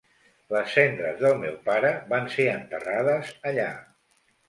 Les cendres del meu pare van ser enterrades allà.